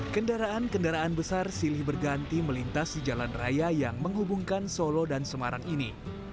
kendaraan kendaraan besar silih berganti melintas di jalan raya yang menghubungkan solo dan semarang ini